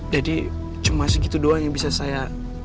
jadi cuma segitu doanya bisa saya